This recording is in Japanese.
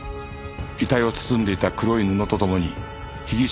遺体を包んでいた黒い布と共に被疑者